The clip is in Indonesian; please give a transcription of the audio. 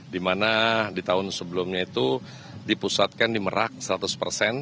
di mana di tahun sebelumnya itu dipusatkan di merak seratus persen